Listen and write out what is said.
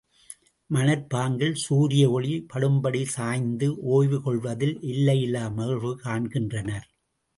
மணற்பாங்கில் சூரிய ஒளி படும்படி சாய்ந்து ஓய்வு கொள்வதில் எல்லையில்லா மகிழ்வு காண்கின்றனர்.